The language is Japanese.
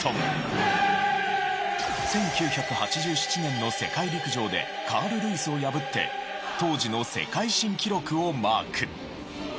１９８７年の世界陸上でカール・ルイスを破って当時の世界新記録をマーク。